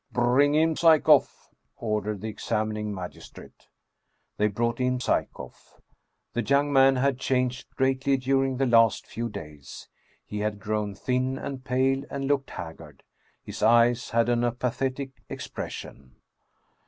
" Brink in Psyekoff !" ordered the examining magistrate. They brought in Psyekoff. The young man had changed greatly during the last few days. He had grown thin and pale, and looked haggard. His eyes had an apathetic ex pression.